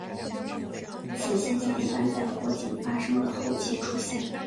此现象一般在火警发生的后期出现。